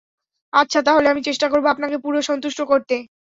আচ্ছা, তাহলে আমি চেষ্টা করব আপনাকে পুরো সন্তুষ্ট করতে।